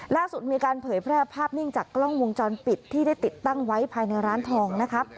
ล่าสุดมีการเผยแพร่ภาพนิ่งจากกล้องวงจรปิดที่ได้ติดตั้งไว้ภายในร้านทองนะครับ